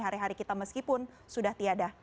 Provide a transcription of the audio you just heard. hari hari kita meskipun sudah tiada